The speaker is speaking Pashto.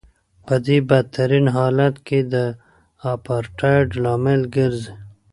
په بدترین حالت کې د اپارټایډ لامل ګرځي.